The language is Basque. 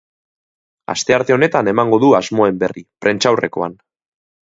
Astearte honetan emango du asmoen berri, prentsaurrekoan.